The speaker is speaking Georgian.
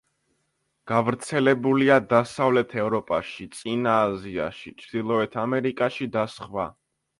გავრცელებულია დასავლეთ ევროპაში, წინა აზიაში, ჩრდილოეთ ამერიკაში და სხვა.